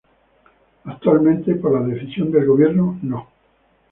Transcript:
Actualmente, por la decisión del Gobierno no.